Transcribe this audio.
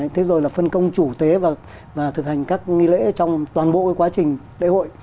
thế rồi là phân công chủ tế và thực hành các nghi lễ trong toàn bộ quá trình lễ hội